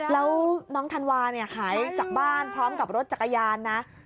แล้วน้องธันวาเนี่ยหายจากบ้านพร้อมกับรถจักรยานนะ